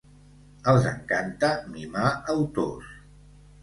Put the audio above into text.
Els encanta mimar autors.